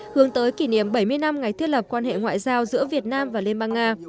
hướng tới kỷ niệm bảy mươi năm ngày thiết lập quan hệ ngoại giao giữa việt nam và liên bang nga